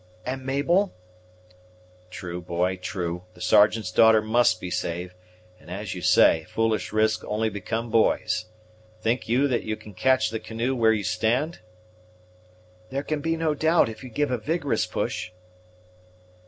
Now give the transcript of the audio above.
"And Mabel?" "True, boy, true; the Sergeant's daughter must be saved; and, as you say, foolish risks only become boys. Think you that you can catch the canoe where you stand?" "There can be no doubt, if you give a vigorous push."